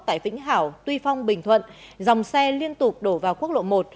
tại vĩnh hảo tuy phong bình thuận dòng xe liên tục đổ vào quốc lộ một